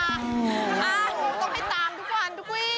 ต้องให้ตามทุกวันทุกวี